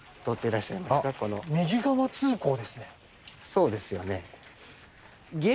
そうですよね。